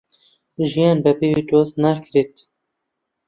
ژیان بەبێ دۆست ناکرێت